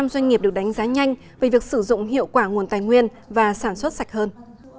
hai trăm linh doanh nghiệp được đánh giá nhanh về việc sử dụng hiệu quả nguồn tài nguyên và sản xuất sạch hơn